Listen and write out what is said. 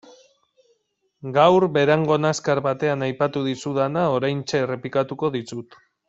Gaur Berangon azkar batean aipatu dizudana oraintxe errepikatuko dizut.